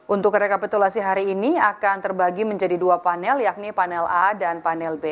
untuk rekapitulasi hari ini akan terbagi menjadi dua panel yakni panel a dan panel b